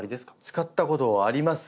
使ったことあります。